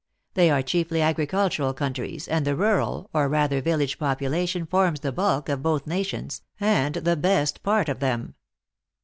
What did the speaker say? They are chiefly agricultural countries, and the rural, or rather village population forms the bulk of both na tions, and the best part of them."